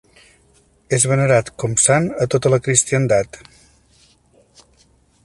És venerat com sant a tota la cristiandat.